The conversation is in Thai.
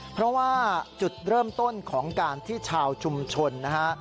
เพราะว่าจุดเริ่มต้นของการที่ชาวชุมชนนะฮะ